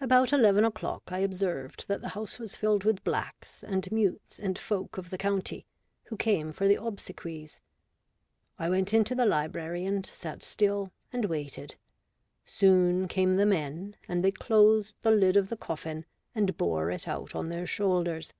About eleven o'clock I observed that the house was filled with blacks, and mutes, and folk of the county, who came for the obsequies. I went into the library and sat still, and waited. Soon came the men, and they closed the lid of the coffin and bore it out on their shoulders.